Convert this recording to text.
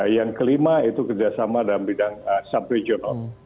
yang kelima itu kerjasama dalam bidang subregional